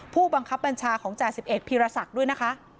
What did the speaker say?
ผู้บังคับบัญชาของจาก๑๑พิราษักรณ์ด้วยนะคะ